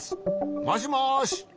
もしもし。